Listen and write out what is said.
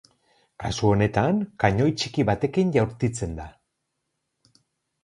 Kasu honetan, kanoi txiki batekin jaurtitzen da.